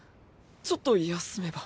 ちょっと休めば。